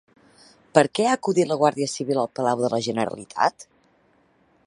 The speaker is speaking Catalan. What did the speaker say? Per què ha acudit la Guàrdia Civil al Palau de la Generalitat?